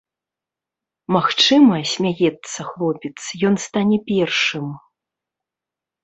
Магчыма, смяецца хлопец, ён стане першым.